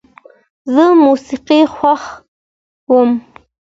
زه موسیقي خوښوم.